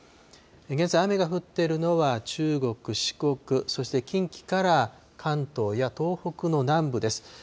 現在、雨が降っているのは、中国、四国、そして近畿から関東や東北の南部です。